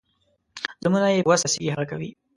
ظلمونه یې په وس رسیږي هغه کوي.